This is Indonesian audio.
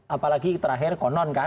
apalagi terakhir konon kan